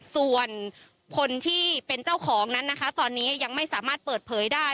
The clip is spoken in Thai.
ส่วนคนที่เป็นเจ้าของนั้นนะคะตอนนี้ยังไม่สามารถเปิดเผยได้